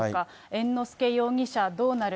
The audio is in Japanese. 猿之助容疑者どうなる？